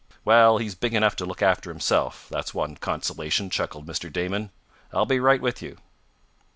"Well, he's big enough to look after himself, that's one consolation," chuckled Mr. Damon. "I'll be right with you."